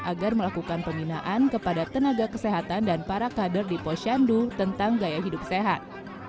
agar melakukan pembinaan kepada tenaga kesehatan dan para kader di posyandu tentang gaya hidup sehat